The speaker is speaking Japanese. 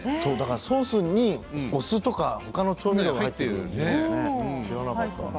ソースに、お酢とか他の調味料が入ってるって知らなかった。